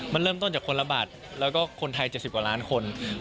มันเริ่มต้นจากคนละบาทแล้วก็คนไทย๗๐กว่าล้านคน